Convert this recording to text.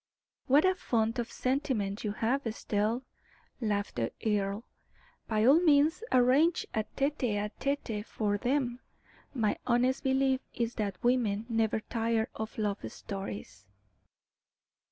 "What a fund of sentiment you have, Estelle," laughed the earl. "By all means, arrange a tete a tete for them. My honest belief is that women never tire of love stories."